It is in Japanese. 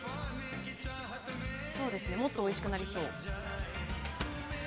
もっとおいしくなりそう。